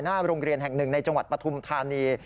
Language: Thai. หน้าโรงเรียนแห่งหนึ่งในจังหวัดปฐุมธานี